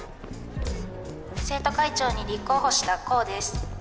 生徒会長に立候補したこうです。